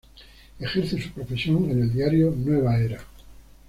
Ejerce su profesión en el diario Nueva Era.